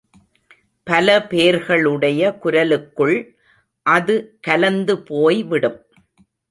பல பேர்களுடைய குரலுக்குள் அது கலந்து போய் விடும்.